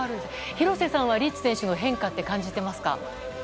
廣瀬さんはリーチ選手の変化って感じてますか？